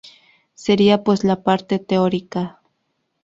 Sería pues la parte teórica.